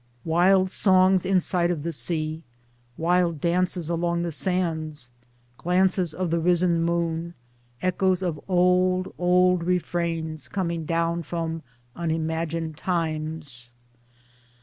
Wild songs in sight of the sea, wild dances along the sands, glances of the risen moon, echoes of old old refrains coming down from unimagined times